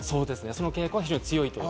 その傾向は非常に強いと。